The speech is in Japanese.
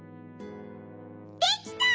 できた！